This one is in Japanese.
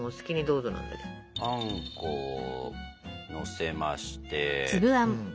あんこをのせまして。